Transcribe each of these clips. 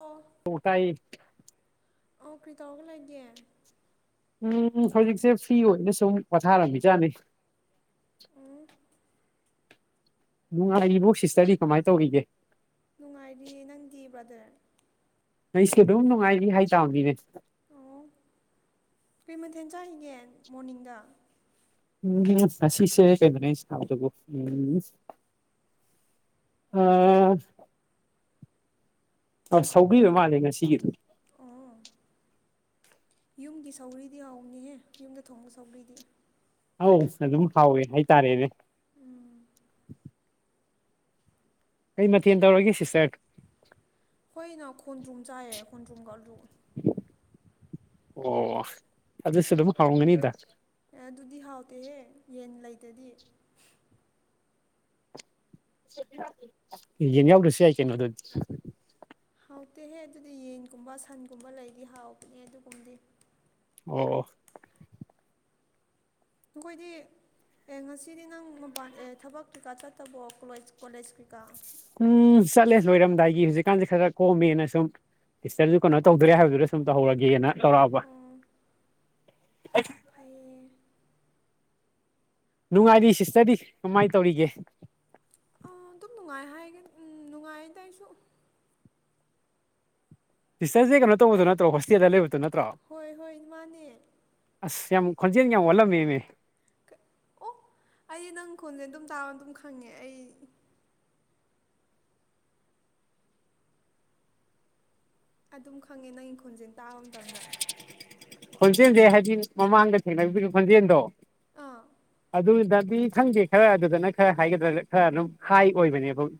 ꯑꯣ ꯑꯣ ꯇꯥꯏꯌꯦ ꯑꯣ ꯀ꯭ꯔꯤ ꯇꯥꯎꯔꯒ ꯂꯩꯒꯦ ꯎꯝ ꯍꯧꯖꯤꯛꯁꯦ ꯐ꯭ꯔꯤ ꯑꯣꯏꯅ ꯁꯨꯝ ꯄꯣꯊꯥꯔꯝꯃꯤꯖꯥꯠꯅꯤ ꯎꯝ ꯅꯨꯡꯉꯥꯏꯔꯤꯕꯣ ꯁꯤꯁꯇ꯭ꯔꯗꯤ ꯀꯃꯥꯏ ꯇꯧꯔꯤꯒꯦ ꯅꯨꯡꯉꯥꯏꯔꯤ ꯅꯪꯗꯤ ꯕ꯭ꯔꯗꯔ ꯑꯩꯁꯨ ꯑꯗꯨꯝ ꯅꯨꯡꯉꯥꯏꯔꯤ ꯍꯥꯏꯇꯥꯝꯅꯤꯅꯦ ꯑꯣ ꯑꯣ ꯀꯩ ꯃꯊꯦꯜ ꯆꯥꯒꯤꯒꯦ ꯃꯣꯔꯅꯤꯡꯗ ꯎꯝ ꯉꯁꯤꯁꯦ ꯀꯩꯅꯣꯅꯦ ꯑꯩꯅ ꯆꯥꯕꯗꯨꯕꯨ ꯎꯝ ꯑꯥ ꯑꯥ ꯁꯧꯒ꯭ꯔꯤ ꯑꯣꯏ ꯃꯥꯜꯂꯦ ꯉꯁꯤꯒꯤꯗꯣ ꯑꯣ ꯌꯨꯝꯒꯤ ꯁꯧꯒ꯭ꯔꯤꯗꯤ ꯍꯥꯎꯕꯅꯦꯍꯦ ꯌꯨꯝꯗ ꯊꯣꯡꯕ ꯁꯧꯒ꯭ꯔꯤꯗꯤ ꯑꯧ ꯑꯗꯨꯝ ꯍꯥꯎꯋꯦ ꯍꯥꯏꯇꯥꯔꯦꯅꯦ ꯎꯝ ꯀꯩ ꯃꯊꯦꯜ ꯇꯧꯔꯒꯦ ꯁꯤꯁꯇꯔ ꯑꯩꯈꯣꯏꯅ ꯈꯣꯟꯗ꯭ꯔꯨꯝ ꯆꯥꯏꯌꯦ ꯈꯣꯟꯗ꯭ꯔꯨꯝꯒ ꯑꯂꯨ ꯑꯣ ꯑꯗꯨꯁꯨ ꯑꯗꯨꯝ ꯍꯥꯎꯔꯝꯒꯅꯤꯗ ꯑꯦ ꯑꯗꯨꯗꯤ ꯍꯥꯎꯇꯦꯍꯦ ꯌꯦꯟ ꯂꯩꯇꯗꯤ ꯑꯦ ꯌꯦꯟ ꯌꯥꯎꯗ꯭ꯔꯁꯨ ꯌꯥꯏ ꯀꯩꯅꯣ ꯑꯗꯨꯗꯤ ꯍꯥꯎꯇꯦꯍꯦ ꯑꯗꯨꯗꯤ ꯌꯦꯟꯒꯨꯝꯕ ꯁꯟꯒꯨꯝꯕ ꯂꯩꯗꯤ ꯍꯥꯎꯕꯅꯦ ꯑꯗꯨꯒꯨꯝꯕꯗꯤ ꯑꯣ ꯑꯈꯣꯏꯗꯤ ꯑꯦ ꯉꯁꯤꯗꯤ ꯅꯪ ꯃꯄꯥꯟ ꯑꯦ ꯊꯕꯛ ꯀꯩꯀꯥ ꯆꯠꯇꯕꯣ ꯀꯣꯂꯣꯏꯖ ꯀꯣꯂꯦꯖ ꯀꯩꯀꯥ ꯎꯝ ꯆꯠꯂꯦ ꯂꯣꯏꯔꯝꯗꯥꯏꯒꯤ ꯍꯧꯖꯤꯛꯀꯥꯟꯖꯦ ꯈꯔ ꯀꯣꯝꯃꯦꯅ ꯁꯨꯝ ꯁꯤꯁꯇꯔꯖꯨ ꯀꯩꯅꯣ ꯇꯧꯗꯣꯔꯦ ꯍꯥꯏꯕꯗꯨꯗ ꯁꯨꯝ ꯇꯧꯍꯧꯔꯒꯦꯅ ꯇꯧꯔꯛꯑꯕ ꯑꯣ ꯐꯩꯌꯦ ꯅꯨꯡꯉꯥꯏꯔꯤ ꯁꯤꯁꯇꯔꯗꯤ ꯀꯃꯥꯏ ꯇꯧꯔꯤꯒꯦ ꯑ ꯑꯗꯨꯝ ꯅꯨꯡꯉꯥꯏ ꯍꯥꯏꯒꯦ ꯎꯝ ꯅꯨꯡꯉꯥꯏꯗ ꯑꯩꯁꯨ꯫ ꯇꯤꯆꯔꯁꯦ ꯀꯩꯅꯣ ꯇꯧꯕꯗꯨ ꯅꯠꯇꯣ ꯍꯣꯁꯇꯦꯜꯗ ꯂꯩꯕꯗꯨ ꯅꯠꯇ꯭ꯔꯣ꯫ ꯍꯣꯏ ꯍꯣꯏ ꯃꯥꯅꯦ꯫ ꯑꯁ ꯌꯥꯝ ꯈꯣꯟꯖꯦꯜ ꯌꯥꯝ ꯋꯥꯠꯂꯝꯃꯦ ꯅꯦ꯫ ꯀ ꯑꯣ ꯑꯩ ꯅꯪ ꯈꯣꯟꯁꯦ ꯑꯗꯨꯝ ꯇꯥꯕ ꯑꯗꯨꯝ ꯈꯪꯉꯦ ꯑꯩ ꯑꯗꯨꯝ ꯈꯪꯉꯦ ꯅꯪꯒꯤ ꯈꯣꯟꯍꯦꯟ ꯇꯥꯕ ꯃꯇꯝꯗ꯫ ꯈꯣꯟꯖꯦꯜꯁꯦ ꯍꯥꯏꯗꯤ ꯃꯃꯥꯡꯗ ꯊꯦꯡꯅꯕꯤꯔꯣ ꯈꯣꯟꯖꯦꯜꯗꯣ꯫ ꯑꯥ ꯑꯗꯨꯗꯗꯤ ꯈꯪꯗꯦ ꯈꯔ ꯑꯗꯨꯗꯅ ꯈꯔ ꯍꯥꯏꯒꯗ꯭ꯔꯥ ꯈꯔ ꯑꯗꯨꯝ ꯍꯥꯏ ꯑꯣꯏꯕꯅꯦꯕ꯫ [inaudible]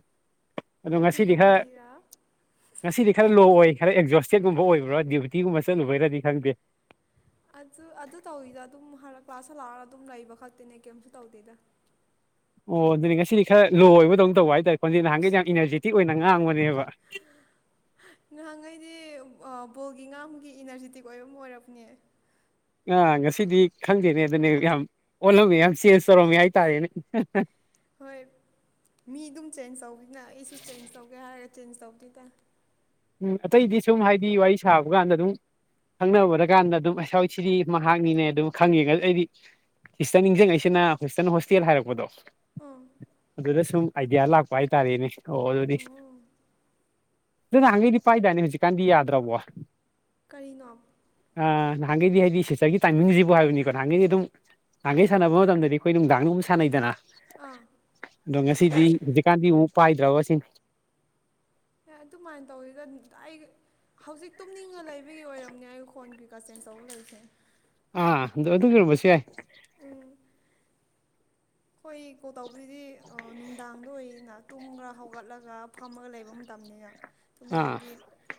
[inaudible] ꯑꯗꯣ ꯉꯁꯤꯗꯤ ꯈꯔ ꯇꯧꯕꯒꯤꯔꯥ ꯉꯁꯤꯗꯤ ꯈꯔ ꯂꯣ ꯑꯣꯏ ꯈꯔ ꯑꯦꯛꯖꯣꯁꯇꯦꯠꯒꯨꯝꯕ ꯑꯣꯏꯕ꯭ꯔꯥ ꯗ꯭ꯌꯨꯇꯤꯒꯨꯝꯕ ꯆꯠꯂꯨꯕꯩꯔꯗꯤ ꯈꯪꯗꯦ꯫ ꯑꯗꯨ ꯑꯗꯨ ꯇꯧꯋꯤꯗ ꯑꯗꯨꯝ ꯍꯔꯛ ꯀ꯭ꯂꯥꯁꯇ ꯂꯥꯛꯑꯒ ꯑꯗꯨꯝ ꯂꯩꯕ ꯈꯛꯇꯤꯅꯦ ꯀꯩꯝꯁꯨ ꯇꯧꯗꯦꯗ꯫ ꯑꯣ ꯑꯗꯨꯅꯦ ꯉꯁꯤꯗꯤ ꯈꯔ ꯂꯣ ꯑꯣꯏꯕꯗꯧꯅ ꯇꯧꯕ ꯍꯥꯏꯇꯥꯔꯦ ꯈꯣꯟꯖꯦ ꯅꯍꯥꯟꯒꯩ ꯌꯥꯝ ꯏꯅꯔꯖꯤꯇꯤꯛ ꯑꯣꯏꯅ ꯉꯥꯡꯕꯅꯦꯕ꯫ ꯉꯍꯥꯟꯉꯩꯗꯤ ꯕꯣꯜꯒꯤ ꯉꯥꯡꯕꯒꯤ ꯏꯅꯔꯖꯤꯇꯤꯛ ꯑꯣꯏꯕ ꯑꯃ ꯑꯣꯏꯔꯄꯅꯦ꯫ ꯑ ꯉꯁꯤꯗꯤ ꯈꯪꯗꯦꯅꯦ ꯑꯗꯨꯅꯦ ꯌꯥꯝ ꯑꯣꯜꯂꯝꯃꯦ ꯌꯥꯝ ꯆꯦꯟꯖ ꯇꯧꯔꯝꯃꯤ ꯍꯥꯏꯇꯥꯔꯦꯅꯦ꯫ [unintelligible] ꯍꯣꯏ ꯃꯤ ꯑꯗꯨꯝ ꯆꯦꯟꯖ ꯇꯧꯋꯤꯅ ꯑꯩꯁꯨ ꯆꯦꯟꯖ ꯇꯧꯒꯦ ꯍꯥꯏꯔꯒ ꯆꯦꯟꯖ ꯇꯧꯗꯦꯗ꯫ ꯎꯝ ꯑꯇꯩꯗꯤ ꯁꯨꯝ ꯍꯥꯏꯗꯤ ꯋꯥꯔꯤ ꯁꯥꯕ ꯀꯥꯟꯗ ꯑꯗꯨꯝ ꯈꯪꯅꯕꯗꯀꯥꯟꯗ ꯑꯗꯨꯝ ꯑꯩ ꯁꯋꯥꯁꯤꯗꯤ ꯃꯍꯥꯛꯅꯤꯅꯦ ꯑꯗꯨꯝ ꯈꯪꯉꯤꯒ ꯑꯩꯗꯤ ꯁꯤꯁꯇꯔ ꯅꯤꯡꯁꯤꯡꯉꯩꯁꯤꯅ ꯁꯤꯁꯇꯔꯅ ꯍꯣꯁꯇꯦꯜ ꯍꯥꯏꯔꯛꯄꯗꯣ꯫ ꯑꯥ ꯑꯗꯨꯗ ꯁꯨꯝ ꯑꯥꯏꯗꯤꯌꯥ ꯂꯥꯛꯄ ꯍꯥꯏꯇꯥꯔꯦꯅꯦ ꯑꯣ ꯑꯣ ꯑꯗꯨꯗꯤ꯫ ꯑꯗꯨ ꯅꯍꯥꯟꯉꯩꯗꯤ ꯄꯥꯏꯗꯥꯏꯅꯤ ꯍꯧꯖꯤꯛꯀꯥꯟꯗꯤ ꯌꯥꯗ꯭ꯔꯕꯣ꯫ ꯀꯔꯤꯅꯣ꯫ ꯑ ꯅꯍꯥꯟꯒꯩꯗꯤ ꯍꯥꯏꯗꯤ ꯁꯤꯇꯔꯒꯤ ꯇꯥꯏꯃꯤꯡꯁꯤꯕꯨ ꯍꯥꯏꯕꯅꯤꯀꯣ ꯅꯍꯥꯟꯒꯩꯗꯤ ꯑꯗꯨꯝ ꯥꯅꯍꯥꯟꯒꯩ ꯁꯥꯟꯅꯕ ꯃꯇꯝꯗꯗꯤ ꯑꯩꯈꯣꯏ ꯅꯨꯡꯗꯥꯡ ꯗꯨꯝ ꯁꯥꯟꯅꯩꯗꯅ꯫ ꯑꯥ꯫ ꯑꯗꯣ ꯉꯁꯤꯗꯤ ꯍꯧꯖꯤꯛꯀꯥꯟꯗꯤ ꯑꯃꯨꯛ ꯄꯥꯏꯗ꯭ꯔꯕ ꯁꯤꯅꯤ꯫ ꯑꯦ ꯑꯗꯨꯃꯥꯏꯅ ꯇꯧꯋꯦꯗ ꯑꯩ ꯍꯧꯖꯤꯛ ꯇꯨꯝꯅꯤꯡꯉ ꯂꯩꯕꯒꯤ ꯑꯣꯏꯔꯝꯅꯦ ꯑꯩ ꯈꯣꯟꯒꯤ ꯒ ꯆꯦꯟꯁ ꯆꯧ ꯂꯩꯁꯦ꯫ ꯑ ꯗꯨ ꯑꯗꯨꯒꯤ ꯑꯣꯏꯔꯝꯕꯁꯨ ꯌꯥꯏ꯫ ꯎꯝ꯫ ꯈꫭꯏ ꯀꯣꯜ ꯇꯧꯕꯗꯗꯤ ꯅꯨꯡꯗꯥꯡꯗ ꯑꯣꯏꯅ꯫ ꯇꯨꯝꯔ ꯍꯧꯒꯠꯂꯒ ꯐꯝꯃꯒ ꯂꯩꯕ ꯃꯇꯝꯅꯤꯅ ꯇꯨꯝ ꯑꯥ ꯃꯇꯝꯗꯤ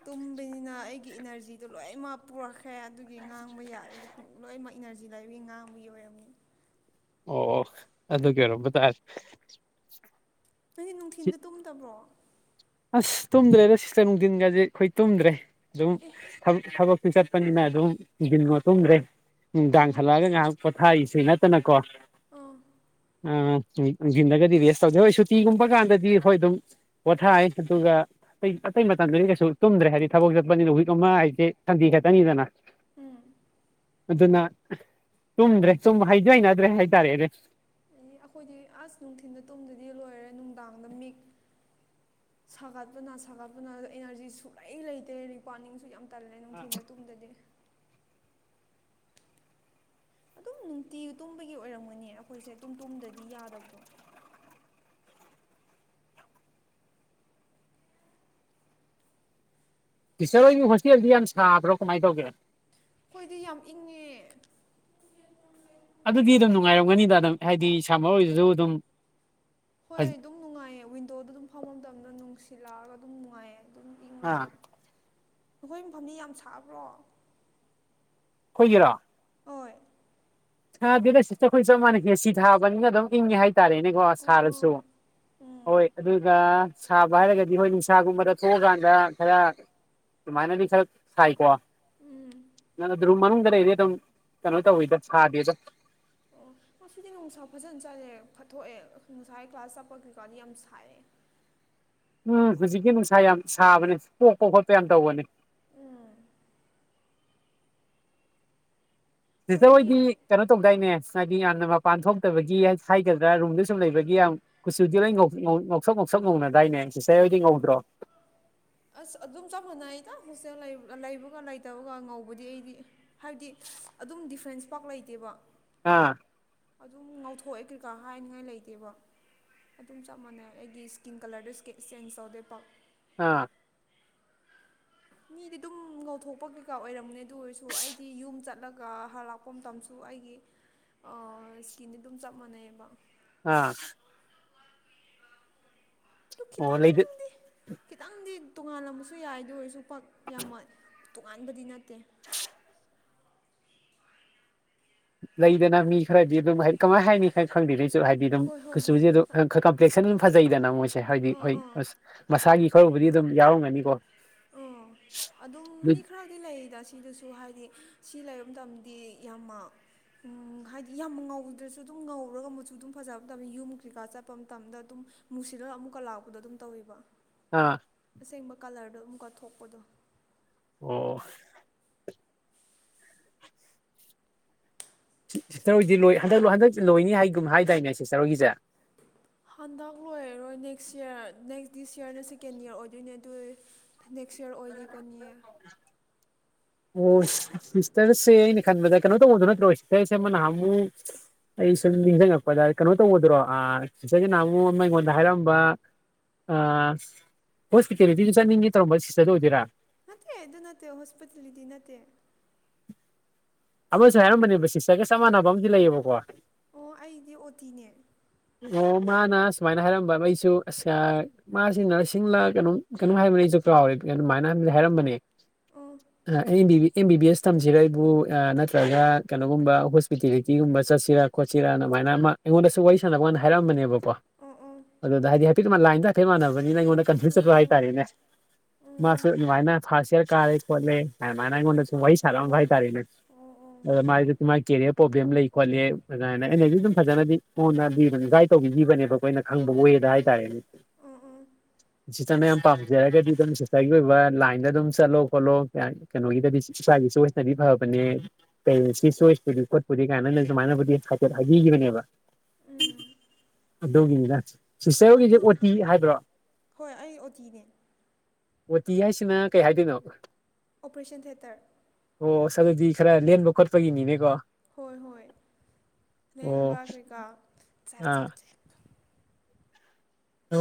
ꯇꯨꯝꯕꯅꯤꯅ ꯑꯩꯒꯤ ꯏꯅꯔꯖꯤꯗꯣ ꯂꯣꯏꯃꯛ ꯄꯨꯔꯛꯈ꯭ꯔꯦ ꯑꯗꯨꯒꯤ ꯉꯥꯡꯕ ꯌꯥꯔꯦꯗ ꯂꯣꯏꯅꯃꯛ ꯏꯅꯔꯖꯤ ꯂꯩꯕꯒꯤ ꯉꯥꯡꯕꯒꯤ ꯑꯣꯏꯔꯝꯅꯤ꯫ ꯑꯣ ꯑꯗꯨꯒꯤ ꯑꯣꯏꯔꯝꯕ ꯇꯥꯔꯦ꯫ ꯅꯣꯏꯗꯤ ꯅꯨꯡꯊꯤꯟꯗ ꯇꯨꯝꯗꯕ꯭ꯔꯣ꯫ ꯑꯁ ꯇꯨꯝꯗ꯭ꯔꯦꯗ ꯁꯤꯁꯇꯔ ꯅꯨꯡꯊꯤꯟꯒꯁꯦ ꯑꯩꯈꯣꯏ ꯇꯨꯝꯗ꯭ꯔꯦ ꯑꯗꯨꯝ ꯑꯦ ꯊ ꯊꯕꯛ ꯆꯠꯄꯅꯤꯅ ꯑꯗꯨꯝ ꯅꯨꯡꯗꯤꯟ ꯉꯣ ꯇꯨꯝꯗ꯭ꯔꯦ ꯑꯣ ꯅꯨꯡꯗꯥꯡ ꯍꯂꯛꯑꯒ ꯉꯥꯍꯥꯛ ꯄꯣꯊꯥꯔꯤꯁꯤ ꯅꯠꯇꯅꯀꯣ꯫ ꯑꯣ꯫ ꯎꯝ ꯅꯨꯡꯗꯤꯟꯗꯒꯗꯤ ꯔꯦꯁ ꯇꯧꯗꯦ ꯍꯣꯏ ꯁꯨꯇꯤꯒꯨꯝꯕ ꯀꯥꯟꯗꯗꯤ ꯍꯣꯏ ꯑꯗꯨꯝ ꯄꯣꯊꯥꯏ ꯑꯗꯨꯒ ꯑꯇꯩ ꯑꯇꯩ ꯃꯇꯝꯗꯗꯤ ꯀꯩꯁꯨ ꯇꯨꯝꯗ꯭ꯔꯦ ꯍꯥꯏꯗꯤ ꯊꯕꯛ ꯆꯠꯄꯅꯤꯅ ꯋꯤꯛ ꯑꯃ ꯍꯥꯏꯁꯦ ꯁꯟꯗꯦ ꯈꯛꯇꯅꯤꯗꯅ꯫ ꯎꯝ꯫ ꯑꯗꯨꯅ ꯇꯨꯝꯗ꯭ꯔꯦ ꯁꯨꯝ ꯍꯩꯁꯨ ꯍꯩꯅꯗ꯭ꯔꯦ ꯍꯥꯏꯇꯥꯔꯦꯅꯦ꯫ ꯏ ꯑꯈꯣꯏꯗꯤ ꯑꯁ ꯅꯨꯡꯊꯤꯟꯗꯨ ꯇꯨꯝꯗꯗꯤ ꯂꯣꯏꯔꯦ ꯅꯨꯡꯗꯥꯡꯗ ꯃꯤꯛ ꯁꯥꯒꯠꯄꯅ ꯁꯥꯒꯠꯄꯅ ꯑꯦꯅꯔꯖꯤ ꯁꯨꯛꯂꯩ ꯂꯩꯇꯦ ꯔꯤꯄꯥꯅꯤꯡꯁꯨ ꯌꯥꯝ ꯇꯜꯂꯦ ꯅꯨꯡꯊꯤꯟꯗ ꯇꯨꯝꯗꯗꯤ ꯅꯨꯡꯇꯤ ꯇꯨꯝꯕꯒꯤ ꯑꯣꯏꯔꯝꯒꯅꯦ ꯑꯩꯈꯣꯏꯁꯦ ꯑꯗꯨꯨꯝ ꯇꯨꯝꯗꯗꯤ ꯌꯥꯗꯕꯗꯣ ꯏꯆꯦ ꯍꯣꯏꯒꯤ ꯍꯣꯁꯇꯦꯜꯗꯤ ꯌꯥꯝ ꯁꯥꯕ꯭ꯔꯣ ꯀꯃꯥꯏꯟ ꯇꯧꯒꯦ ꯑꯈꯣꯏꯗꯤ ꯌꯥꯝ ꯏꯪꯉꯦ ꯑꯗꯨꯗꯤ ꯑꯗꯨꯝ ꯅꯨꯡꯉꯥꯏꯔꯝꯒꯅꯤꯗ ꯑꯗꯨꯝ ꯍꯥꯏꯗꯤ ꯁꯥꯝꯃꯔ ꯍꯣꯏꯔꯁꯨ ꯑꯗꯨꯝ ꯍꯣꯏ ꯑꯥ ꯑꯗꯨꯝ ꯅꯨꯡꯉꯥꯏꯌꯦ ꯋꯤꯟꯗꯣꯗ ꯑꯗꯨꯝ ꯐꯝꯕ ꯃꯇꯝꯗ ꯅꯨꯡꯁꯤꯠ ꯂꯥꯛꯑꯒ ꯑꯗꯨꯝ ꯅꯨꯡꯉꯥꯏꯌꯦ ꯑꯗꯨꯝ ꯏꯪꯉꯒ ꯅꯈꯣꯏ ꯃꯐꯝꯗꯤ ꯌꯥꯝ ꯁꯥꯕ꯭ꯔꯣ ꯑꯈꯣꯏꯒꯤꯔꯣ ꯍꯣꯏ ꯁꯥꯗꯦꯗ ꯁꯤꯁꯇꯔ ꯑꯩꯈꯣꯏ ꯆꯞ ꯃꯥꯟꯅꯩ ꯑꯦ꯬ꯁꯤ ꯊꯥꯕꯅꯤꯅ ꯑꯗꯨꯝ ꯏꯪꯉꯦ ꯍꯥꯏꯇꯥꯔꯦꯅꯦ ꯀꯣ ꯑꯣ ꯑꯣ ꯁꯥꯔꯁꯨ ꯎꯝ ꯍꯣꯏ ꯑꯗꯨꯒ ꯁꯥꯕ ꯍꯥꯏꯔꯒꯗꯤ ꯍꯣꯏ ꯅꯨꯡꯁꯥꯒꯨꯝꯕꯗ ꯊꯣꯛꯑꯀꯥꯟꯗ ꯈꯔ ꯑꯗꯨꯃꯥꯏꯅꯗꯤ ꯈꯔ ꯁꯥꯏꯀꯣ ꯅ ꯗꯔꯨꯝ ꯃꯅꯨꯡꯗ ꯂꯩꯔꯗꯤ ꯑꯗꯨꯝ ꯀꯩꯅꯣ ꯇꯧꯋꯤꯗ ꯁꯥꯗꯦꯗ ꯑꯣ ꯉꯁꯤꯗꯤ ꯅꯨꯡꯁꯥ ꯐꯖꯅ ꯆꯠꯂꯦ ꯇꯣꯛꯑꯦ ꯉꯁꯥꯏꯒꯤ ꯀ꯭ꯂꯥꯁ ꯆꯠꯄ ꯀꯔꯤ ꯀꯥꯟꯗꯤ ꯌꯥꯝ ꯁꯥꯏꯌꯦ ꯎꯝ ꯍꯧꯖꯤꯛꯇꯤ ꯅꯨꯡꯁꯥ ꯌꯥꯝ ꯁꯥꯕꯅꯦ ꯄꯣꯛꯄ ꯈꯣꯠꯄ ꯌꯥꯝ ꯇꯧꯕꯅꯤ ꯁꯤꯁꯇꯔ ꯑꯩꯈꯣꯏꯗꯤ ꯍꯣꯏꯗꯤ ꯀꯩꯅꯣ ꯇꯧꯗꯥꯏꯅꯦ ꯍꯥꯏꯗꯤ ꯌꯥꯝꯅ ꯃꯄꯥꯟ ꯊꯣꯛꯇꯕꯒꯤ ꯍꯥꯏꯒꯗ꯭ꯔꯥ ꯔꯨꯝꯗ ꯁꯨꯝ ꯂꯩꯕꯒꯤ ꯌꯥꯝ ꯀꯨꯆꯨꯗꯤ ꯂꯣꯏ ꯉꯧꯁꯣꯛ ꯉꯧꯁꯛ ꯉꯧꯅꯗꯥꯏꯅꯦ ꯁꯤꯁꯇꯔ ꯍꯣꯏꯗꯤ ꯉꯧꯗ꯭ꯔꯣ ꯑꯁ ꯑꯗꯨꯝ ꯆꯞ ꯃꯥꯟꯅꯩꯗ ꯍꯣꯁꯇꯦꯜ ꯂꯩꯕꯒ ꯂꯩꯇꯕꯒ ꯉꯧꯕꯗꯤ ꯑꯩꯗꯤ ꯍꯥꯏꯕꯗꯤ ꯑꯗꯨꯝ ꯗꯤꯐ꯭ꯔꯦꯟꯁ ꯄꯥꯛ ꯂꯩꯇꯦꯕ ꯑꯥ ꯑꯗꯨꯝ ꯉꯧꯊꯣꯛꯑꯦ ꯀꯩꯀꯥ ꯍꯥꯏꯅꯤꯡꯉꯥꯏ ꯂꯩꯇꯦꯕ ꯑꯗꯨꯝ ꯆꯞ ꯃꯥꯟꯅꯩ ꯑꯩꯒꯤ ꯏꯁꯀꯤꯟ ꯀꯂꯔꯗꯨ ꯆꯦꯟꯖ ꯇꯧꯗꯦ ꯄꯥꯛ ꯑꯥ [unintelligible] ꯃꯤꯗꯤ ꯑꯗꯨꯝ ꯉꯧꯊꯣꯛꯄ ꯀꯩꯀꯥ ꯑꯣꯏꯔꯝꯅꯦ ꯑꯗꯨ ꯑꯣꯏꯔꯁꯨ ꯑꯩꯗꯤ ꯌꯨꯝ ꯆꯠꯂꯒ ꯍꯥꯔ ꯂꯥꯛꯄ ꯃꯇꯝꯁꯨ ꯑꯩꯒꯤ ꯑꯥ ꯏꯁꯀꯤꯟꯗꯤ ꯑꯗꯨꯝ ꯆꯞ ꯃꯥꯟꯅꯩꯌꯦꯕ ꯑꯥ ꯑꯗꯨ ꯑꯣ ꯂꯩꯚꯤꯠ ꯈꯤꯇꯪꯗꯤ ꯈꯤꯇꯪꯗꯤ ꯇꯣꯉꯥꯜꯂꯝꯕꯁꯨ ꯌꯥꯏ ꯑꯗꯨ ꯑꯣꯏꯔꯁꯨ ꯄꯥꯛ ꯌꯥꯝ ꯇꯣꯉꯥꯟꯕꯗꯤ ꯅꯠꯇꯦ [inaudible] ꯂꯩꯗꯅ ꯃꯤ ꯈꯔꯗꯤ ꯑꯗꯨꯝ ꯍꯥꯏꯗꯤ ꯀꯃꯥꯏꯟ ꯍꯥꯏꯅꯤ ꯈꯪꯗꯦ ꯑꯩꯁꯨ ꯍꯥꯏꯗꯤ ꯑꯗꯨꯝ ꯍꯣꯏ ꯍꯣꯏ ꯍꯣꯏ ꯀꯨꯆꯨꯁꯦ ꯑꯗꯨꯝ ꯈꯥ ꯀꯝꯄ꯭ꯂꯦꯛꯁꯟ ꯐꯖꯩꯗꯅ ꯃꯣꯏꯁꯦ ꯍꯥꯏꯗꯤ ꯑꯥ ꯍꯣꯏ ꯑꯥ ꯑꯁ ꯃꯁꯥꯒꯤ ꯈꯔꯕꯨꯗꯤ ꯑꯗꯨꯝ ꯌꯥꯎꯔꯝꯒꯅꯤ ꯀꯣ ꯑꯝ ꯑꯗꯨꯝ ꯃꯤ ꯈꯔꯗꯤ ꯂꯩꯗ ꯁꯤꯗꯁꯨ ꯍꯥꯏꯗꯤ ꯁꯤ ꯂꯩꯕ ꯃꯇꯝꯗꯤ ꯌꯥꯝꯅ ꯍꯥꯏꯗꯤ ꯌꯥꯝ ꯉꯧꯗ꯭ꯔꯁꯨ ꯑꯗꯨꯝ ꯉꯧꯔꯒ ꯃꯨꯆꯨ ꯑꯗꯨꯝ ꯐꯖꯕ ꯇꯕ ꯌꯨꯝ ꯀꯩꯀꯥ ꯆꯠꯄ ꯃꯇꯝꯗ ꯑꯗꯨꯝ ꯃꯨꯁꯤꯜꯂꯒ ꯑꯃꯨꯛꯀ ꯂꯥꯛꯄꯗꯣ ꯑꯗꯨꯝ ꯇꯧꯋꯦꯕ ꯑꯥ ꯑꯁꯦꯡꯕ ꯀꯂꯔꯗꯣ ꯑꯃꯨꯛꯀ ꯊꯣꯛꯄꯗꯣ ꯑꯣ [inaudible] ꯁꯤꯁꯇꯔ ꯍꯣꯏꯗꯤ ꯂꯣꯏ ꯍꯟꯗꯛ ꯍꯟꯛ ꯂꯣꯏꯅꯤ ꯍꯥꯏꯒꯨꯝ ꯍꯥꯏꯗꯥꯏꯅꯦ ꯁꯤꯇꯔ ꯍꯣꯏꯒꯤꯁꯦ ꯍꯟꯗꯛ ꯂꯣꯏꯔꯔꯣꯏ ꯅꯦꯛꯁ ꯌꯔ ꯅꯦꯛꯁ ꯗꯤꯁ ꯏꯌꯔꯅ ꯁꯦꯀꯦꯟ ꯏꯌꯔ ꯑꯣꯏꯗꯣꯏꯅꯦ ꯑꯗꯨ ꯅꯦꯛꯁꯌꯔ ꯑꯣꯏꯒꯤꯒꯅꯤ ꯑꯣ ꯁꯤꯁꯇꯔꯁꯦ ꯑꯩꯅ ꯈꯟꯕꯗ ꯀꯩꯅꯣ ꯇꯧꯕꯗꯣ ꯅꯠꯇ꯭ꯔꯣ ꯁꯤꯁꯇꯔꯁꯦ ꯑꯃ ꯅꯍꯥꯟꯃꯨꯛ ꯑꯩ ꯁꯨꯝ ꯅꯤꯡꯁꯤꯡꯉꯛꯄꯗ ꯀꯩꯅꯣ ꯇꯧꯕꯗꯨꯔꯣ ꯑꯥ ꯁꯤꯁꯇꯔꯁꯦ ꯅꯍꯥꯟꯃꯨꯛ ꯑꯃ ꯑꯩꯉꯣꯟꯗ ꯍꯥꯏꯔꯝꯕ ꯑꯥ ꯍꯣꯁꯄꯤꯇꯦꯂꯤꯇꯤꯗ ꯆꯠꯅꯤꯡꯉꯦ ꯇꯧꯔꯝꯕ ꯁꯤꯁꯇꯔꯗꯣ ꯑꯣꯏꯗꯣꯏꯔꯥ ꯑꯦ ꯑꯗꯨ ꯅꯠꯇꯦ ꯍꯣꯁꯄꯤꯇꯦꯂꯤꯇꯤ ꯅꯠꯇꯦ ꯑꯃꯁꯨ ꯍꯥꯏꯔꯝꯕꯅꯦꯕ ꯁꯤꯁꯇꯔꯒ ꯆꯞ ꯃꯥꯟꯅꯕ ꯑꯃꯗꯤ ꯂꯩꯌꯦꯕꯀꯣ ꯑꯣ ꯑꯩꯗꯤ ꯑꯣꯇꯤꯅꯦ ꯑꯣ ꯃꯥꯅ ꯁꯨꯃꯥꯏꯅ ꯍꯥꯏꯔꯝꯕ ꯑꯩꯁꯨ ꯑꯁ ꯑꯥ ꯃꯥꯁꯤ ꯅꯔꯁꯤꯡꯂ ꯀꯩꯅꯣꯝ ꯀꯩꯅꯣ ꯍꯥꯏꯕꯅꯦ ꯑꯩꯁꯨ ꯀꯥꯎꯔꯦ ꯑꯗꯨꯃꯥꯏꯅꯗꯤ ꯍꯥꯏꯔꯝꯕꯅꯦ ꯑꯣ ꯑꯦꯝ ꯕꯤ ꯕꯤ ꯑꯦꯁ ꯇꯝꯁꯤꯔ ꯑꯩꯕꯨ ꯅꯠꯇ꯭ꯔꯒ ꯀꯩꯅꯣꯒꯨꯝꯕ ꯍꯣꯁꯄꯤꯇꯦꯂꯤꯇꯤꯒꯨꯝꯕ ꯆꯠꯁꯤꯔꯥ ꯈꯣꯠꯆꯤꯔꯥꯅ ꯑꯃꯥꯏꯅ ꯑꯃ ꯑꯩꯉꯣꯟꯗꯁꯨ ꯋꯥꯔꯤ ꯁꯥꯟꯅꯕ ꯀꯥꯟꯗ ꯍꯥꯏꯔꯛꯑꯝꯕꯅꯦꯕꯀꯣ ꯑꯣ ꯑꯣ ꯑꯗꯨꯗ ꯍꯥꯏꯗꯤ ꯀꯤꯗꯨꯃ ꯂꯥꯏꯟꯗꯣ ꯍꯥꯏꯐꯦꯠ ꯃꯥꯟꯅꯕꯅꯤꯅ ꯑꯩꯉꯣꯟꯗ ꯀꯟꯐ꯭ꯌꯨꯁ ꯑꯣ ꯆꯠꯕ ꯑꯣ ꯍꯥꯏꯇꯥꯔꯦꯅꯦ ꯑꯣ ꯃꯥꯥꯁꯨ ꯑꯗꯨꯃꯥꯏꯅ ꯐꯥꯥꯔꯁ ꯌꯤꯌꯔ ꯀꯥꯔꯦ ꯈꯣꯠꯂꯦ ꯍꯥꯏ ꯑꯃꯥꯏ ꯑꯩꯉꯣꯟꯗꯁꯨ ꯋꯥꯔꯤ ꯁꯥꯔꯛꯑꯝꯕ ꯍꯥꯏ ꯇꯥꯔꯦꯅꯦ ꯑꯣ ꯑꯣ ꯑꯗꯣ ꯃꯥꯏꯁꯨ ꯃꯥꯒꯤ ꯀꯦꯔꯤꯌꯔ ꯄ꯭ꯔꯣꯕ꯭ꯂꯦꯝ ꯂꯩ ꯈꯣꯠꯂꯤ ꯑꯗꯨꯃꯥꯏꯅ ꯑꯩꯅꯁꯨ ꯑꯗꯨꯝ ꯐꯖꯅꯗꯤ ꯃꯥꯉꯣꯟꯗ ꯐꯖꯅ ꯒꯥꯏꯗ ꯇꯧꯕꯤꯒꯤꯅꯦꯕ ꯑꯩꯈꯣꯏꯅ ꯈꯪꯕ ꯋꯦꯗ ꯍꯥꯏꯇꯥꯔꯦꯅꯦ ꯑꯣ ꯑꯣ ꯁꯤꯁꯇꯔꯅ ꯌꯥꯝ ꯄꯥꯝꯖꯔꯒꯗꯤ ꯑꯗꯨꯝ ꯁꯤꯁꯇꯔꯒꯤ ꯑꯣꯏꯕ ꯂꯥꯏꯟꯗ ꯑꯗꯨꯝ ꯆꯠꯂꯣ ꯈꯣꯠꯂꯣ ꯀꯥꯏꯅ ꯀꯩꯅꯣꯒꯤꯗꯗꯤ ꯏꯁꯥꯒꯤ ꯆꯣꯏꯁꯅꯗꯤ ꯐꯕꯅꯦ ꯄꯦꯔꯦꯟꯁꯀꯤ ꯆꯣꯏꯁꯄꯨꯗꯤ ꯈꯣꯠꯄꯨꯗꯤ ꯀꯥꯏꯅ ꯁꯨꯃꯥꯏꯅꯕꯨꯗꯤ ꯍꯥꯏꯐꯦꯠ ꯍꯥꯏꯕꯤꯈꯤꯕꯅꯦꯕ ꯎꯝ ꯑꯗꯨꯒꯤꯅꯤꯗ ꯁꯤꯁꯇꯔ ꯑꯗꯨ ꯍꯣꯏꯒꯤꯁꯦ ꯑꯣꯇꯤ ꯍꯥꯏꯕ꯭ꯔꯣ ꯍꯣꯏ ꯑꯩ ꯑꯣꯇꯤꯅꯦ ꯑꯣꯇꯤ ꯍꯥꯏꯁꯤꯅ ꯀꯩ ꯍꯥꯏꯗꯣꯏꯅꯣ ꯑꯣꯄ꯭ꯔꯦꯁꯟ ꯊꯤꯌꯦꯇꯔ ꯑꯣ ꯑꯁ ꯑꯗꯨꯗꯤ ꯈꯔ ꯂꯦꯟꯕ ꯈꯣꯠꯄꯒꯤꯅꯤꯅꯦꯀꯣ ꯍꯣꯏ ꯍꯣꯏ ꯑꯣ ꯂꯦꯡꯕ ꯀꯩꯀꯥ ꯆꯥꯛ ꯑꯥ ꯆꯥꯛ ꯆꯩ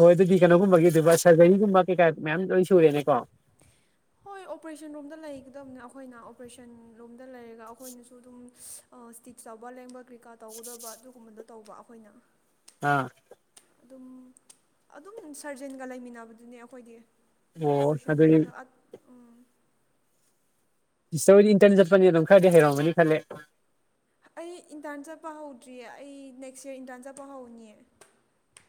ꯍꯣꯏ ꯑꯗꯨꯗꯤ ꯀꯩꯅꯣꯒꯨꯝꯕꯒꯤꯗꯨꯕ ꯁꯔꯖꯔꯤꯒꯨꯝꯕ ꯀꯩꯀꯥ ꯃꯌꯥꯝ ꯂꯣꯏ ꯁꯨꯔꯦꯅꯦꯀꯣ ꯍꯣꯏ ꯑꯣꯄ꯭ꯔꯦꯁꯟ ꯔꯣꯝꯗ ꯂꯩꯒꯗꯕꯅꯦ ꯑꯈꯣꯏꯅ ꯑꯣꯄ꯭ꯔꯦꯁꯟ ꯂꯣꯝꯗ ꯂꯩꯔꯒ ꯑꯩꯈꯣꯏꯅꯁꯨ ꯑꯗꯨꯝ ꯑꯣ ꯁ꯭ꯇꯤꯆ ꯇꯧꯕꯥ ꯂꯦꯡꯕ ꯀ꯭ꯔꯤꯀꯥ ꯇꯧꯒꯗꯕ ꯑꯗꯨꯒꯨꯝꯕꯗꯣ ꯇꯧꯕ ꯑꯈꯣꯏꯅ ꯑꯥ ꯑꯗꯨꯝ ꯑꯗꯨꯝ ꯁꯔꯖꯦꯟꯒ ꯂꯩꯃꯤꯟꯅꯕꯗꯨꯅꯦ ꯑꯈꯣꯏꯗꯤ ꯑꯣ ꯑꯣꯄ꯭ꯔꯦꯁꯟ ꯑꯗꯨꯗꯤ ꯔꯨꯝꯗ ꯑꯠ ꯁꯤꯁꯇꯔ ꯍꯣꯏꯗꯤ ꯏꯟꯇ꯭ꯔꯟ ꯆꯠꯄꯅꯤꯅ ꯑꯗꯨꯝ ꯈꯔꯗꯤ ꯍꯩꯔꯝꯒꯅꯤ ꯈꯜꯂꯦ ꯑꯩ ꯏꯟꯇ꯭ꯔꯟ ꯆꯠꯄ ꯍꯧꯗ꯭ꯔꯤꯌꯦ ꯑꯩ ꯅꯦꯛꯁ ꯌꯤꯌꯔ ꯏꯟꯇ꯭ꯔꯟ ꯆꯠꯄ ꯍꯧꯅꯤꯌꯦ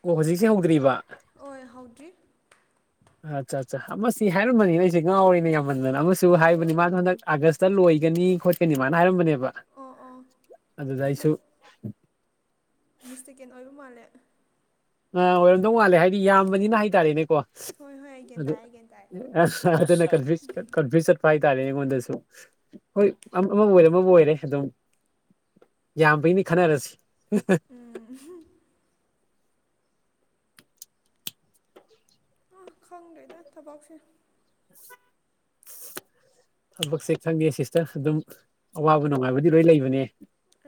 ꯑꯣ ꯍꯧꯖꯤꯛꯁꯦ ꯍꯧꯗ꯭ꯔꯤꯕꯥ ꯍꯣꯏ ꯍꯧꯗ꯭ꯔꯤ ꯑꯆꯥ ꯆꯥ ꯑꯃꯁꯤ ꯍꯥꯏꯔꯝꯕꯅꯤꯅꯦ ꯑꯩꯁꯦ ꯉꯥꯎꯔꯦꯅꯦ ꯌꯥꯝ ꯃꯟꯗꯟ ꯑꯃꯁꯨ ꯍꯥꯏꯕꯅꯤ ꯑꯣ ꯃꯥꯅ ꯍꯟꯗꯛ ꯑꯥꯒꯁꯇ ꯂꯣꯏꯒꯅꯤ ꯈꯣꯠꯀꯅꯤ ꯑꯃꯥꯏꯅ ꯍꯥꯏꯔꯝꯕꯅꯦꯕ ꯑꯣ ꯑꯣ ꯑꯗꯨꯗ ꯑꯩꯁꯨ ꯅꯪ ꯃꯤꯁꯇꯦꯀꯦꯟ ꯑꯣꯏꯕ ꯃꯥꯜꯂꯦ ꯑꯥ ꯑꯣꯏꯔꯝꯗꯧ ꯃꯥꯜꯂꯦ ꯍꯥꯏꯗꯤ ꯌꯥꯝꯕꯅꯤꯅ ꯍꯥꯏꯇꯥꯔꯦꯅꯦꯀꯣ ꯍꯣꯏ ꯍꯣꯏ ꯑꯩ ꯒ꯭ꯌꯥꯟ ꯑꯗꯨ ꯇꯥꯏ ꯑꯩ ꯒ꯭ꯌꯥꯟ ꯇꯥꯏ ꯑꯁ ꯑꯗꯨꯅ ꯀꯟꯐꯨꯏꯁ ꯀꯟꯐ꯭ꯌꯨꯏꯁ ꯆꯠꯄ ꯍꯥꯏꯇꯥꯔꯦ ꯑꯩꯉꯣꯟꯗꯁꯨ ꯍꯣꯏ ꯑꯃ ꯑꯃꯕꯨ ꯑꯣꯏꯔꯦ ꯑꯃꯕꯨ ꯑꯣꯏꯔꯦ ꯑꯗꯨꯝ ꯌꯥꯝꯕꯩꯅꯤ ꯈꯟꯅꯔꯁꯤ ꯎꯝ ꯑꯥ ꯈꯪꯗ꯭ꯔꯦꯗ ꯊꯕꯛꯁꯦ ꯊꯕꯛꯁꯦ ꯈꯪꯗꯦ ꯁꯤꯁꯇ꯭ꯔ ꯑꯗꯨꯝ ꯑꯋꯥꯕ ꯅꯨꯡꯉꯥꯏꯕꯗꯤ ꯂꯣꯏ ꯂꯩꯕꯅꯦ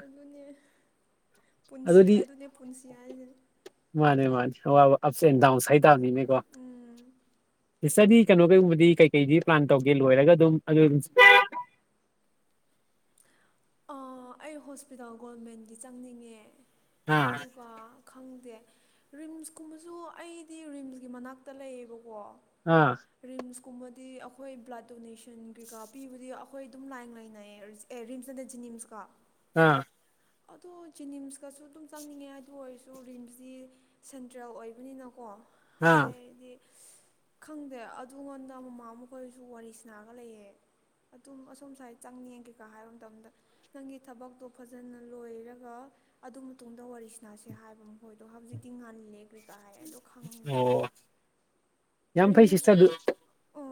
ꯑꯗꯨꯅꯦ ꯄꯨꯟꯁꯤ ꯑꯗꯨꯗꯤ ꯑꯗꯨꯅꯦ ꯄꯨꯟꯁꯤ ꯍꯥꯏꯖꯦ ꯃꯥꯅꯦ ꯃꯥꯅꯦ ꯑꯋꯥꯕ ꯑꯞꯁ ꯑꯦꯟ ꯗꯥꯎꯟꯁ ꯍꯥꯏ ꯇꯥꯕꯅꯤꯅꯦꯀꯣ ꯎꯝ ꯏꯁꯇ꯭ꯔꯗꯤ ꯀꯩꯅꯣ ꯀꯩꯒꯨꯝꯕꯗꯤ ꯀꯩꯀꯩꯗꯤ ꯄ꯭ꯂꯥꯟ ꯇꯧꯒꯦ ꯂꯣꯏꯔꯒ ꯑꯗꯨꯝ ꯑꯗꯨ ꯑꯗꯨꯝ ꯑ ꯑꯩ ꯍꯣꯁꯄꯤꯇꯥꯜ ꯒꯣꯜꯃꯦꯟꯒꯤ ꯆꯪꯅꯤꯡꯉꯦ ꯑꯥ ꯑꯗꯨꯒ ꯈꯪꯗꯦ ꯔꯤꯝꯁꯀꯨꯝꯕꯁꯨ ꯑꯩꯗꯤ ꯔꯤꯝꯁꯒꯤ ꯃꯅꯥꯛꯇ ꯂꯩꯌꯦꯕꯀꯣ ꯑꯥ ꯔꯤꯝꯁꯀꯨꯝꯕꯗꯤ ꯑꯩꯈꯣꯏ ꯕ꯭ꯂꯠ ꯗꯣꯅꯦꯁꯟ ꯀꯩꯀꯥ ꯄꯤꯕꯗꯤ ꯑꯩꯈꯣꯏ ꯑꯗꯨꯝ ꯂꯥꯏꯟ ꯂꯩꯅꯩꯌꯦ ꯔꯤ ꯑꯦ ꯔꯤꯝꯁ ꯅꯠꯇꯦ ꯖꯤꯅꯤꯝꯁꯀꯥ ꯑꯥ ꯑꯗꯣ ꯖꯤꯅꯤꯝꯁꯀꯁꯨ ꯑꯗꯨꯝ ꯆꯪꯅꯤꯡꯉꯦ ꯑꯗꯨ ꯑꯣꯏꯔꯁꯨ ꯔꯤꯝꯁꯇꯤ ꯁꯦꯟꯇ꯭ꯔꯦꯜ ꯑꯣꯏꯕꯅꯤꯅꯀꯣ ꯑꯥ ꯍꯥꯏꯗꯤ ꯈꯪꯗꯦ ꯑꯗꯨꯉꯣꯟꯗ ꯃꯥꯝꯃ ꯃꯈꯣꯏꯖꯨ ꯋꯥꯔꯤ ꯁꯥꯅꯔꯒ ꯂꯩꯌꯦ ꯑꯗꯨꯝ ꯑꯁꯣꯝ ꯁꯥꯏꯠ ꯆꯪꯅꯤꯡꯉꯦ ꯀꯩꯀꯥ ꯍꯥꯏꯕ ꯃꯇꯝꯗ ꯅꯪꯒꯤ ꯊꯕꯛꯇꯣ ꯐꯖꯅ ꯂꯣꯏꯔꯒ ꯑꯗꯨ ꯃꯇꯨꯡꯗ ꯋꯥꯔꯤ ꯁꯅꯥꯁꯦ ꯍꯥꯏꯕ ꯃꯈꯣꯏꯗꯣ ꯍꯧꯖꯤꯛꯇꯤ ꯉꯜꯂꯦ ꯂꯨꯢꯀ ꯍꯥꯏ ꯑꯗꯨ ꯈꯪꯗ꯭ꯔ‌ꯦ ꯑꯣ ꯌꯥꯝ ꯐꯩ ꯔꯤꯝꯁ ꯁꯤꯁꯇꯔꯗꯨ ꯑꯣ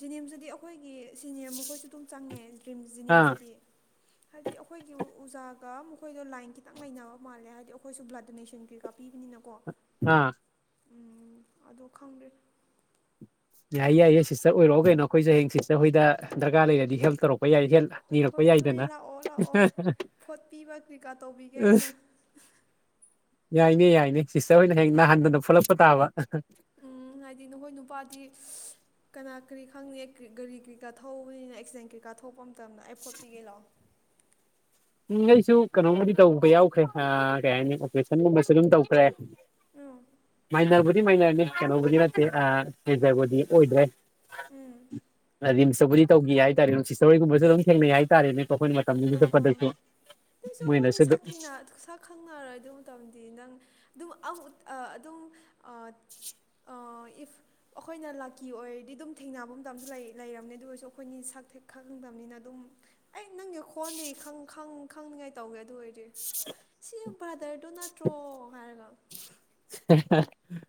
ꯖꯤꯅꯤꯝꯁꯇꯗꯤ ꯑꯩꯈꯣꯏꯒꯤ ꯁꯤꯅꯤꯌ꯭ꯔ ꯃꯈꯣꯏꯁꯨ ꯑꯗꯨꯝ ꯆꯪꯉꯦ ꯔꯤꯝꯁ ꯑꯥ ꯖꯤꯅꯤꯝꯁꯇꯗꯤ ꯍꯥꯏꯗꯤ ꯑ ꯈꯣꯏꯒꯤꯃꯨꯛ ꯎꯖꯥꯒ ꯃꯈꯣꯏꯗꯣ ꯂꯥꯏꯟ ꯈꯤꯇꯪ ꯂꯩꯅꯕ ꯃꯥꯜꯂꯦ ꯍꯥꯏꯗꯤ ꯑꯈꯣꯏꯁꯨ ꯕ꯭ꯂꯠ ꯗꯣꯅꯦꯁꯟ ꯀꯩꯀꯥ ꯄꯤꯕꯅꯤꯅꯀꯣ ꯑꯥ ꯎꯝ ꯑꯗꯣ ꯈꯪꯗ꯭ꯔꯤ ꯌꯥꯏꯌꯦ ꯌꯥꯏꯌꯦ ꯁꯤꯁꯇ꯭ꯔ ꯑꯣꯏꯔꯛꯑꯣ ꯀꯩꯅꯣ ꯑꯈꯣꯏꯖꯨ ꯍꯌꯦꯡ ꯁꯤꯁꯇ꯭ꯔ ꯍꯣꯏꯗ ꯗ꯭ꯔꯀꯥꯔ ꯂꯩꯔꯗꯤ ꯍꯦꯜꯞ ꯇꯧꯔꯛꯄ ꯌꯥꯏ ꯍ‌ꯦꯜꯠ ꯅꯤꯔꯛꯄ ꯍꯣꯏ ꯍꯣꯏ ꯌꯥꯏꯗꯅ ꯂꯥꯛꯑꯣ ꯂꯥꯛꯑꯣ ꯐꯣꯠꯄꯤꯕ ꯀ꯭ꯔꯤꯀꯥ ꯇꯧꯕꯤꯒꯦ ꯑꯩꯅ [unintelligible] ꯌꯥꯏꯅꯦ ꯌꯥꯏꯅꯦ ꯁꯤꯁꯇ꯭ꯔ ꯍꯣꯏꯅ ꯍꯌꯦꯡ ꯅꯥꯍꯟꯗꯅ ꯐꯣꯠꯂꯛꯄ ꯇꯥꯕ ꯎꯝ ꯍꯥꯏꯗꯤ ꯅꯍꯣꯏ ꯅꯨꯄꯥꯗꯤ ꯀꯅꯥ ꯀꯔꯤ ꯈꯪꯅꯤ ꯀ꯭ꯔꯤꯛ ꯒꯥꯔꯤ ꯀ꯭ꯔꯤꯀꯥ ꯊꯧꯕꯅꯤꯅ ꯑꯦꯛꯁꯤꯗꯦꯟ ꯀꯩꯀꯥ ꯊꯣꯛꯄ ꯃꯇꯝꯗ ꯑꯩ ꯐꯣꯠꯄꯤꯒꯦ ꯂꯥꯎ ꯎꯝ ꯑꯩꯁꯨ ꯀꯩꯅꯣꯝꯃꯗꯤ ꯇꯧꯕ ꯌꯥꯎꯈ꯭ꯔꯦ ꯑꯥ ꯀꯩ ꯍꯥꯏꯅꯤ ꯑꯣꯄꯔꯦꯁꯟꯒꯨꯝꯕꯁꯨ ꯑꯗꯨꯝ ꯇꯧꯈ꯭ꯔꯦ [unintelligible] ꯃꯥꯏꯅ꯭ꯔꯕꯨꯗꯤ ꯃꯥꯏꯅ꯭ꯔꯅ‌ꯦ ꯀꯩꯅꯣꯕꯨꯗꯤ ꯅꯠꯇꯦ ꯑꯥ ꯃꯦꯖ꯭ꯔꯕꯨꯗꯤ ꯑꯣꯏꯗ꯭ꯔꯦ ꯎꯝ ꯔꯤꯝꯁꯇꯕꯨꯗꯤ ꯇꯧꯒꯤ ꯍꯥꯏꯇꯥꯔꯦ ꯁꯤꯇ꯭ꯔꯍ‌ꯣꯏꯒꯨꯝꯕꯁꯨ ꯑꯗꯨꯝ ꯊꯦꯡꯅꯩ ꯍꯥꯏꯇꯥꯔꯦꯅꯦꯀꯣ ꯑꯩꯈꯣꯏꯅ ꯃꯇꯝꯗꯨꯗ ꯆꯠꯄꯗꯁꯨ ꯑꯈꯣꯏꯅꯤ ꯃꯣꯏꯅꯁꯨ ꯁꯛ ꯑꯗꯨꯝ ꯊꯦꯡꯅ ꯁꯛ ꯈꯪꯅꯔꯗꯨ ꯃꯇꯝꯗꯤ ꯅꯪ ꯗꯨꯃꯨꯛ ꯑꯃꯨꯛ ꯑꯥ ꯑꯗꯨꯝ ꯑꯥ ꯑꯥ ꯏꯐ ꯑꯈꯣꯏꯅ ꯂꯥꯛꯀꯤ ꯑꯣꯏꯔꯗꯤ ꯑꯗꯨꯝ ꯊꯦꯡꯅꯕ ꯃꯇꯝꯁꯨ ꯂꯩ ꯂꯩꯔꯝꯅꯦ ꯑꯗꯨ ꯑꯣꯏꯔꯁꯨ ꯑꯩꯈꯣꯏꯅꯤ ꯁꯛꯊ‌ꯦꯛ ꯈꯪꯗꯝꯅꯤꯅ ꯑꯗꯨꯝ ꯑꯩ ꯅꯪꯒꯤ ꯈꯣꯟꯗꯤ ꯈꯪ ꯈꯪ ꯈꯪꯅꯤꯡꯉꯥꯏ ꯇꯧꯒꯦ ꯑꯗꯨ ꯑꯣꯏꯔꯗꯤ ꯁꯤ ꯕ꯭ꯔꯥꯗ꯭ꯔꯗꯣ ꯅꯠꯇ꯭ꯔꯣ ꯍꯥꯏꯔꯒ [unintelligible]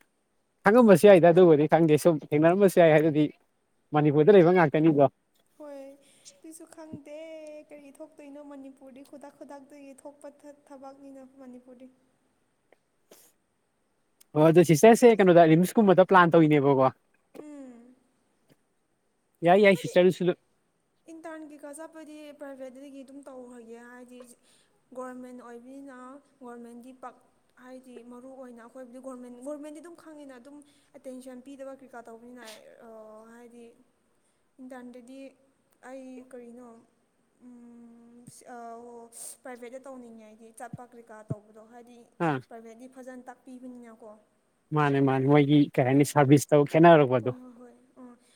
ꯈꯪꯉꯝꯕꯁꯨ ꯌꯥꯏꯗ ꯑꯗꯨꯕꯨꯗꯤ ꯈꯪꯗꯦ ꯁꯨꯝ ꯊꯦꯡꯅꯔꯝꯕꯁꯨ ꯌꯥꯏ ꯑꯗꯨꯗꯤ ꯃꯅꯤꯄꯨꯔꯗ ꯂꯩꯕ ꯉꯥꯛꯇꯅꯤꯗꯣ ꯍꯣꯏ ꯇꯤꯁꯨ ꯈꯪꯗꯦ ꯀꯔꯤ ꯊꯣꯛꯇꯣꯏꯅꯣ ꯃꯅꯤꯄꯨꯔꯗꯤ ꯈꯨꯗꯛ ꯈꯨꯗꯛꯇꯒꯤ ꯊꯣꯛꯄ ꯊꯛ ꯊꯕꯛꯅꯤꯅ ꯃꯅꯤꯄꯨꯔꯗꯤ ꯑꯣ ꯑꯗꯣ ꯁꯤꯁꯇ꯭ꯔꯁꯦ ꯀꯩꯅꯣꯗ ꯔꯤꯝꯁꯀꯨꯝꯕꯗ ꯄ꯭ꯂꯥꯟ ꯇꯧꯏꯅꯦꯕꯀꯣ ꯎꯝ ꯌꯥꯏ ꯌꯥꯏ ꯍꯥꯏꯗꯤ ꯁꯤꯁꯇ꯭ꯔ ꯑꯗꯨꯁꯨꯗꯨꯛ ꯏꯟꯇꯔꯟ ꯀꯩꯀꯥ ꯆꯠꯄꯗꯤ ꯄ꯭ꯔꯥꯏꯚꯦꯠꯇꯗꯒꯤ ꯑꯗꯨꯝ ꯇꯧꯈ꯭ꯔꯒꯦ ꯍꯥꯏꯗꯤ ꯒꯣꯔꯃꯦꯟ ꯑꯣꯏꯕꯅꯤꯅ ꯒꯣꯔꯃꯦꯟꯒꯤ ꯄꯛ ꯍꯥꯏꯗꯤ ꯃꯔꯨ ꯑꯣꯏꯅ ꯑꯈꯣꯏꯕꯨꯗꯤ ꯒꯣꯔꯃꯦꯟ ꯒꯣꯔꯃꯦꯟꯗꯤ ꯑꯗꯨꯝ ꯈꯪꯉꯤꯅ ꯑꯗꯨꯝ ꯑꯦꯇꯦꯟꯁꯟ ꯄꯤꯗꯕ ꯀꯔꯤꯀꯥ ꯇꯧꯕꯅꯤꯅ ꯑꯥ ꯍꯥꯏꯗꯤ ꯏꯟꯇꯔꯟꯗꯗꯤ ꯑꯩ ꯀꯔꯤꯅꯣ ꯎꯝ ꯑꯣ ꯄ꯭ꯔꯥꯏꯚꯦꯠꯇ ꯇꯧꯅꯤꯡꯉꯦ ꯑꯩꯗꯤ ꯆꯠꯄ ꯀ꯭ꯔꯤꯀꯥ ꯇꯧꯕꯗꯣ ꯍꯥꯏꯗꯤ ꯎꯝ ꯄ꯭ꯔꯥꯏꯚꯦꯠꯇꯤ ꯐꯖꯅ ꯇꯥꯛꯄꯤꯕꯅꯤꯅ ꯀꯣ ꯃꯥꯅꯤ ꯃꯥꯅꯤ ꯃꯣꯏꯒꯤ ꯀꯩ ꯍꯥꯏꯅꯤ ꯁꯥꯔꯚꯤꯁꯇꯣ ꯈꯦꯠꯅꯔꯛꯄꯗꯣ ꯑꯣ